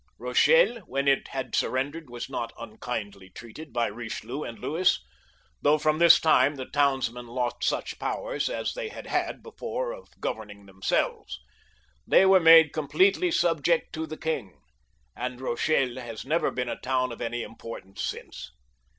Bochelle, when it had given itself up, was not unkindly treated by Bichelieu and Louis, though from this time the townsmen lost such powers as they had had before of governing themselves ; they were made completely subject to the king, and Eochelle has never been a town of any importance since.